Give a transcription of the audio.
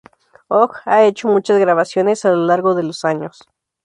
Ogg ha hecho muchas grabaciones a lo largo de los años.